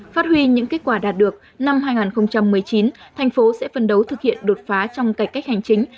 phát huy những kết quả đạt được năm hai nghìn một mươi chín thành phố sẽ phân đấu thực hiện đột phá trong cải cách hành chính